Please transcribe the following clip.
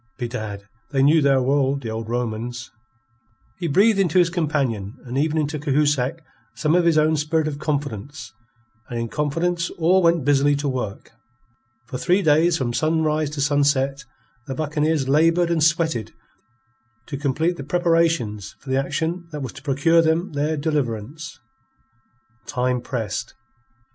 Bedad, they knew their world, the old Romans." He breathed into his companions and even into Cahusac some of his own spirit of confidence, and in confidence all went busily to work. For three days from sunrise to sunset, the buccaneers laboured and sweated to complete the preparations for the action that was to procure them their deliverance. Time pressed.